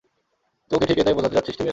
তোকে ঠিক এটাই বোঝাতে চাচ্ছি, স্টিভেন।